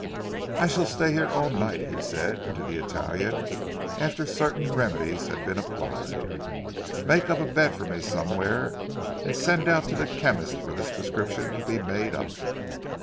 "I shall stay here all night," he said to the Italian, after certain remedies had been applied. "Make up a bed for me somewhere and send out to the chemist for this prescription to be made up."